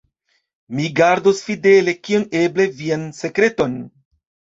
Mi gardos fidele, kiom eble, vian sekreton.